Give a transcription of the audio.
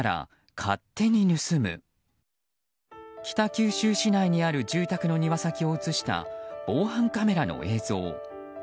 北九州市内にある住宅の庭先を映した防犯カメラの映像。